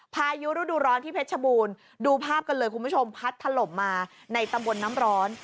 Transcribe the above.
พายุฤดูร้อนที่เพชรชบูรณ์ดูภาพกันเลยคุณผู้ชมพัดถล่มมาในตำบลน้ำร้อน